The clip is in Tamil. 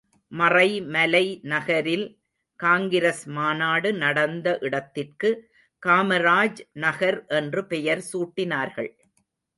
மறைமலை நகரில் காங்கிரஸ் மாநாடு நடந்த இடத்திற்கு காமராஜ் நகர் என்று பெயர் சூட்டினார்கள்.